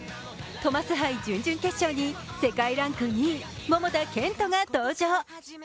トマス杯準々決勝に世界ランク２位・桃田賢斗が登場。